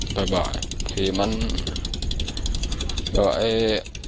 คนฆ่าตายห่วงแล้ว